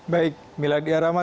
baik miladya rama